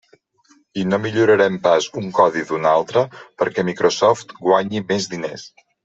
I no millorarem pas un codi d'un altre perquè Microsoft guanyi més diners.